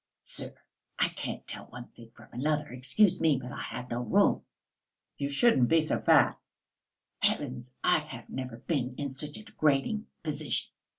"Sir, I can't tell one thing from another. Excuse me, but I have no room." "You shouldn't be so fat!" "Heavens! I have never been in such a degrading position."